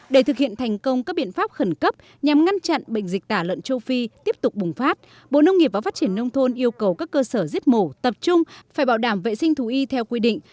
để thực hiện thành công các biện pháp khẩn cấp nhằm ngăn chặn bệnh dịch tả lợn châu phi tiếp tục bùng phát bộ nông nghiệp và phát triển nông thôn yêu cầu các cơ sở giết mổ tập trung phải bảo đảm vệ sinh thú y theo quy định